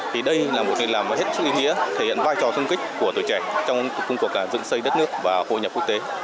thì đây là một việc làm hết sức ý nghĩa thể hiện vai trò sung kích của tuổi trẻ trong công cuộc dựng xây đất nước và hội nhập quốc tế